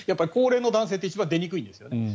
高齢の男性って一番出にくいんですよね。